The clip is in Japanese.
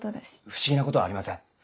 不思議なことはありません。